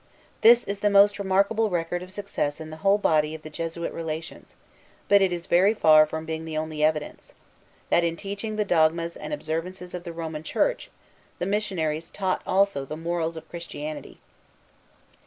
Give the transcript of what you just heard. This is the most remarkable record of success in the whole body of the Jesuit Relations; but it is very far from being the only evidence, that, in teaching the dogmas and observances of the Roman Church, the missionaries taught also the morals of Christianity.